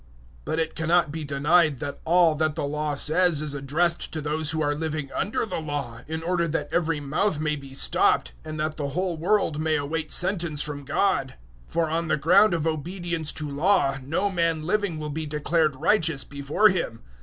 003:019 But it cannot be denied that all that the Law says is addressed to those who are living under the Law, in order that every mouth may be stopped, and that the whole world may await sentence from God. 003:020 For on the ground of obedience to Law no man living will be declared righteous before Him.